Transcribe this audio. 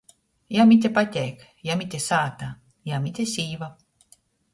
Jam ite pateik, jam ite sāta, jam ite sīva.